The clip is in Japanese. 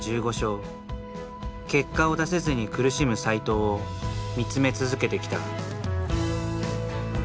結果を出せずに苦しむ斎藤を見つめ続けてきた。